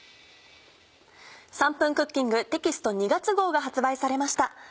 『３分クッキング』テキスト２月号が発売されました。